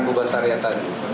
bu basaryat tadi